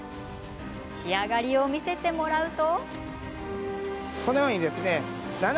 仕上がりを見せてもらうと。